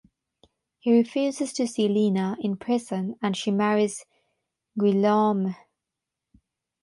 He refuses to see Lina in prison and she marries Guillaume.